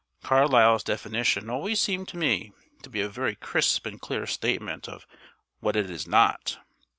Carlyle's definition always seemed to me to be a very crisp and clear statement of what it is NOT.